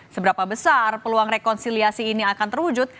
seberapa besar peluang rekonsiliasi ini akan terwujud